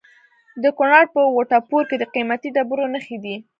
د کونړ په وټه پور کې د قیمتي ډبرو نښې دي.